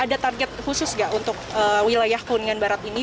ada target khusus nggak untuk wilayah kuningan barat ini